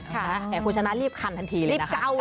แต่คุณชนะรีบคันทันทีเลยนะคะ